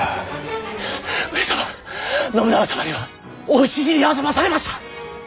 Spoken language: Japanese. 上様信長様にはお討ち死にあそばされました。